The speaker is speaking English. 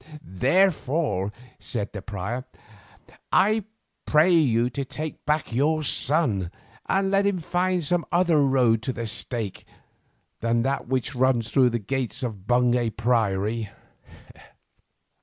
"Therefore," said the prior, "I pray you take back your son, and let him find some other road to the stake than that which runs through the gates of Bungay Priory."